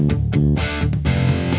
aku mau ke sana